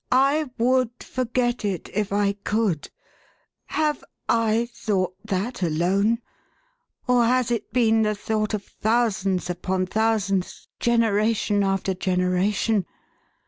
" I would forget it if I could ! Have / thought that, alone, or has it been the thought of thousands upon thousands, genera tion after generation